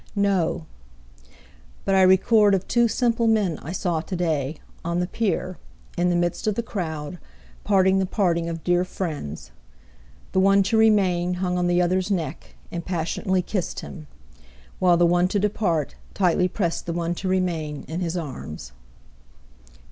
—No; But I record of two simple men I saw to day, on the pier, in the midst of the crowd, parting the parting of dear friends; The one to remain hung on the other's neck, and passionately kiss'd him, While the one to depart, tightly prest the one to remain in his arms.